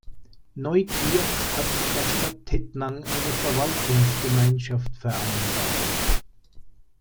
Neukirch hat mit der Stadt Tettnang eine Verwaltungsgemeinschaft vereinbart.